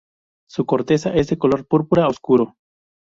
Su corteza es de color púrpura oscuro.